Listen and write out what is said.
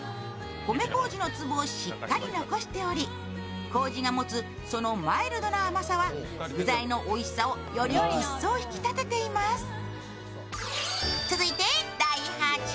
米こうじの粒をしっかり残しており、こうじが持つそのマイルドな甘さは具材のおいしさをより一層引き立てています。